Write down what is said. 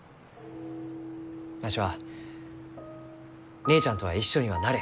わしは姉ちゃんとは一緒にはなれん。